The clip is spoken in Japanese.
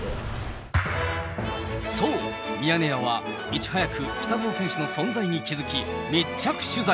そう、ミヤネ屋はいち早く北園選手の存在に気付き、密着取材。